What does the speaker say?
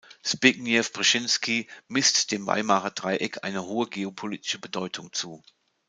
Zbigniew Brzeziński misst dem Weimarer Dreieck eine hohe geopolitische Bedeutung zu.